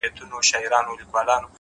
څنگه ساز دی څه مستې ده!! څه شراب دي!!